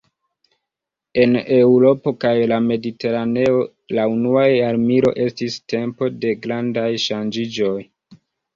En Eŭropo kaj la Mediteraneo, la unua jarmilo estis tempo de grandaj ŝanĝiĝoj.